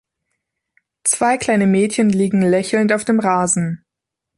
Zwei kleine Mädchen liegen lächelnd auf dem Rasen.